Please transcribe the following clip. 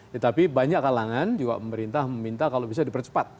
tetapi banyak kalangan juga pemerintah meminta kalau bisa dipercepat